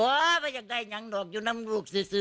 ว้าวไม่อยากได้ยังหรอกอยู่น้ำลูกซื้อซื้อ